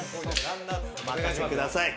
お任せください。